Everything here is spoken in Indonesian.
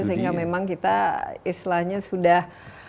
sehingga memang kita istilahnya sudah